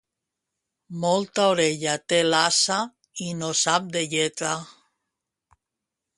Molta orella té l'ase i no sap de lletra.